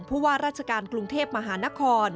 ผู้ว่าราชการกรุงเทพมหานคร